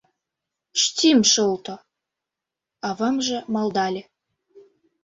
«Штим шолто», — авамже малдале.